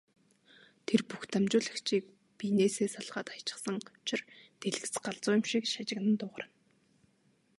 Тэр бүх дамжуулагчийг биенээсээ салгаад хаячихсан учир дэлгэц галзуу юм шиг шажигнан дуугарна.